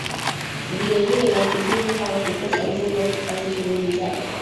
Vilevile wakimbizi hao hukosa Uhuru wa kufanya shughuli zao